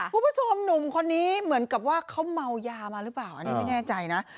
คุณผู้ชมหนุ่มทหารประชาตินี้เหมือนเค้าเมายามาหรือเปล่าภายในมือผู้ชมนะ